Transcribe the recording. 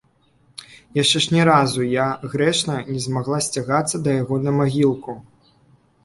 Яшчэ ж ні разу я, грэшная, не змагла сцягацца на яго магілку.